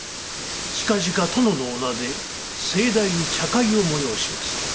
近々殿のお名で盛大に茶会を催します。